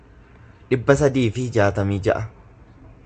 dhibba sadii fi jaatamii ja'a